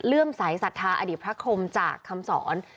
ืมสายศรัทธาอดีตพระคมจากคำสอน